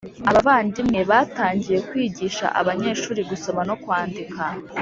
Abavandimwe batangiye kwigisha abanyeshuri gusoma no kwandika